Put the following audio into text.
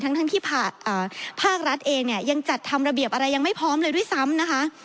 ทั้งที่ภาครัฐเองเนี่ยยังจัดทำระเบียบอะไรยังไม่พร้อมเลยด้วยซ้ำนะคะ